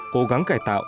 cố gắng cải tạo